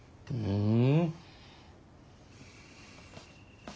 うん！